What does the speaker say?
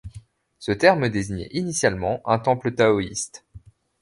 Ce terme désignait initialement un temple taoïste.